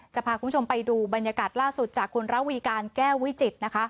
จะพาคุณผู้ชมไปดูบรรยากาศล่าสุดจากคุณระวีการแก้ววิจิตรนะคะ